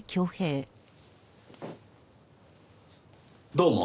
どうも。